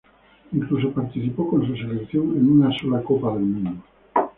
Incluso participó con su selección, en una sola Copa del Mundo.